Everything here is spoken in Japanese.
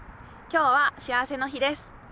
今日は幸せの日です。